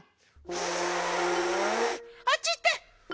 ふあっちいってふ！